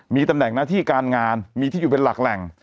มีตำแหน่งหน้าที่การงานมีที่อยู่เป็นหลักแหล่ง